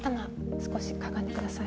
少しかがんでください